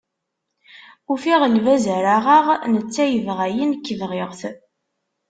Ufiɣ lbaz ara aɣeɣ, netta yebɣa-yi, nekk bɣiɣ-t.